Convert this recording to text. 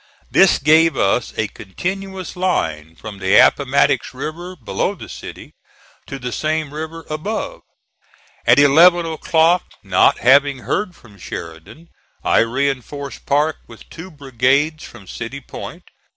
This gave us a continuous line from the Appomattox River below the city to the same river above. At eleven o'clock, not having heard from Sheridan, I reinforced Parke with two brigades from City Point.